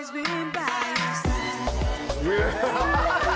うわ！